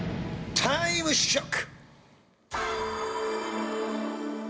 タイムショック！